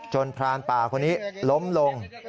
พรานป่าคนนี้ล้มลง